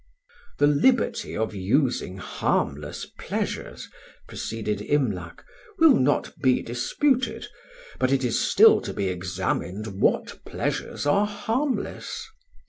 "The liberty of using harmless pleasures," proceeded Imlac, "will not be disputed, but it is still to be examined what pleasures are harmless.